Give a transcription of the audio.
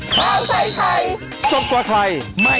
โปรดติดตามตอนต่อไป